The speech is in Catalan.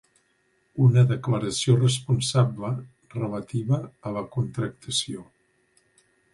Una declaració responsable relativa a la contractació.